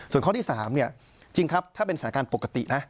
ส่วนข้อที่๓เนี่ยจริงครับถ้าเป็นสหการปกตินะ